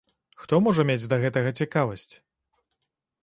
Хто можа мець да гэтага цікавасць?